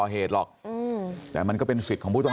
น้าสาวของน้าผู้ต้องหาเป็นยังไงไปดูนะครับ